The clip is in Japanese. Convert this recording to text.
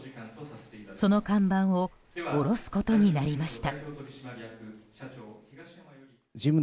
その看板を下ろすことになりました。